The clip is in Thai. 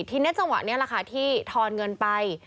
ทีนี้จังหวะนี้แหละค่ะที่ทอนเงินไป